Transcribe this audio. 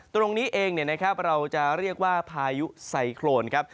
ตรงนี้เองเราจะเรียกว่าพายุไซโครนครับ